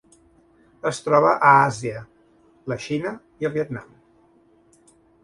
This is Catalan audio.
Es troba a Àsia: la Xina i el Vietnam.